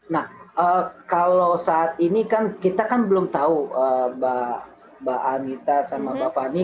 nah kalau saat ini kan kita kan belum tahu mbak anita sama mbak fani